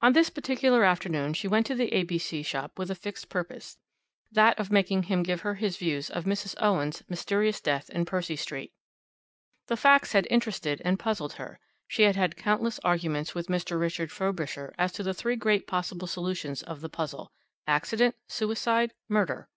On this particular afternoon she went to the A.B.C. shop with a fixed purpose, that of making him give her his views of Mrs. Owen's mysterious death in Percy Street. The facts had interested and puzzled her. She had had countless arguments with Mr. Richard Frobisher as to the three great possible solutions of the puzzle "Accident, Suicide, Murder?"